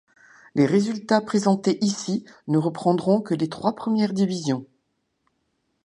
Les résultats présentés ici ne reprendront que les trois premières divisions.